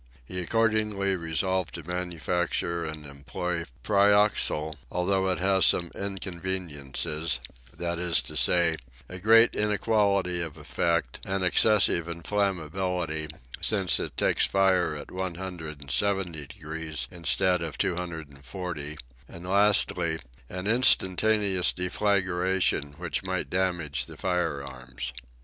He accordingly resolved to manufacture and employ pyroxyle, although it has some inconveniences, that is to say, a great inequality of effect, an excessive inflammability, since it takes fire at one hundred and seventy degrees instead of two hundred and forty, and lastly, an instantaneous deflagration which might damage the firearms.